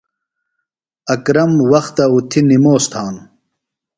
اکرم وختہ اُتھیۡ نِموس تھانوۡ۔